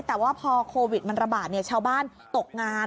แต่ว่าพอโควิดมันระบาดชาวบ้านตกงาน